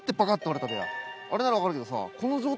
あれなら分かるけどさ。